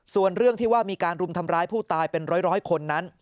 ส่วนเรื่องที่ว่ามีการรุมทำร้ายผู้ตายเป็นร้อยคนนั้น